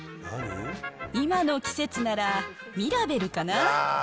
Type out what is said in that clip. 今の季節ならミラベルかな。